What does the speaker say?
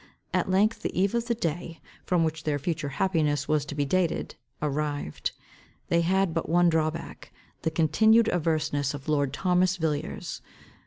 At length the eve of the day, from which their future happiness was to be dated, arrived. They had but one drawback, the continued averseness of lord Thomas Villiers.